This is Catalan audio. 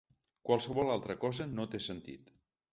Qualsevol altra cosa no té sentit.